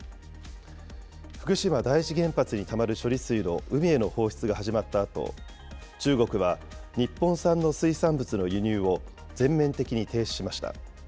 福島第一原発にたまる処理水の海への放出が始まったあと、中国は日本産の水産物の輸入を全面的に停止しました。